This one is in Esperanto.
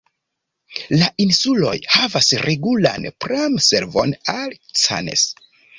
La insuloj havas regulan pram-servon al Cannes.